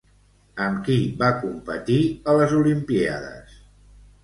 Amb qui va competir a les Olimpíades?